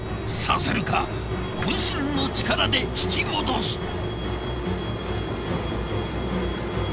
させるか渾身の力で引き戻す。